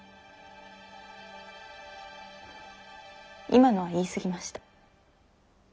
今のは言い過ぎました。